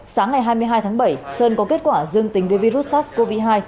sáng ngày hai mươi hai tháng bảy sơn có kết quả dương tính với virus sars cov hai